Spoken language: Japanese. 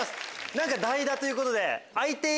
代打ということで。